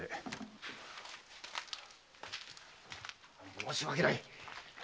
申し訳ない。